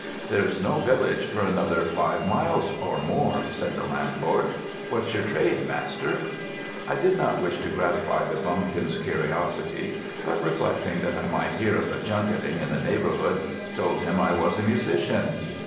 "There's no village for another five mile or more," said the landlord. "What's your trade, master?" I did not wish to gratify the bumpkin's curiosity; but reflecting that I might hear of a junketing in the neighbourhood, told him I was a musician.